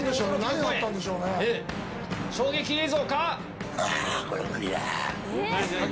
衝撃映像か。